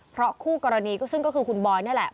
เพราะคู่กรณีก็ซึ่งก็คือคุณบอยนี่แหละ